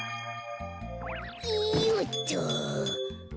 よっと！